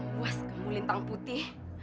buas kamu lintang putih